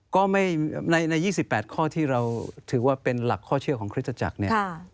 ก็ไม่ใน๒๘ข้อที่เราถือว่าเป็นหลักข้อเชื่อของคริสตจักรเนี่ย